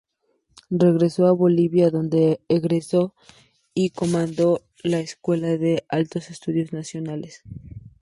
Regresó a Bolivia en donde egresó y comando la Escuela de Altos Estudios Nacionales.